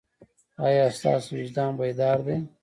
ایا ستاسو وجدان بیدار دی؟